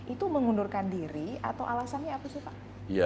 itu mengundurkan diri atau alasannya apa sih pak